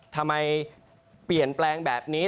ทำไมเปลี่ยนแปลงแบบนี้